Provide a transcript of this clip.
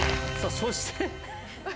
そして。